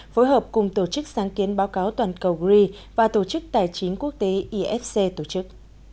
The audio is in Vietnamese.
phối hợp cùng tổ chức sáng kiến báo cáo toàn cầu gri và tổ chức tài chính quốc tế ifc tổ chức